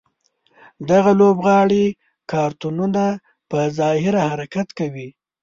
دغه لوبغاړي کارتونونه په ظاهره حرکت کوي.